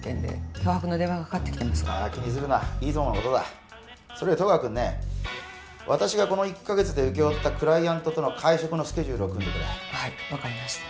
脅迫の電話がかかってきてますが気にするないつものことだそれより私がこの１ヵ月で請け負ったクライアントとの会食のスケジュールを組んでくれ分かりました